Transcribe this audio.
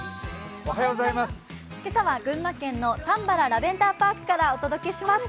今朝は群馬県のたんばらラベンダーパークからお届けします。